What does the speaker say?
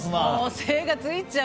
精がついちゃう。